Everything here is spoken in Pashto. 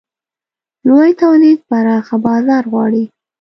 لوی تولید پراخه بازار غواړي.